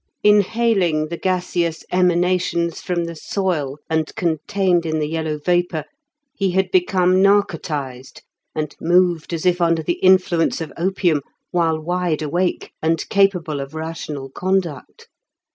Inhaling the gaseous emanations from the soil and contained in the yellow vapour, he had become narcotized, and moved as if under the influence of opium, while wide awake, and capable of rational conduct.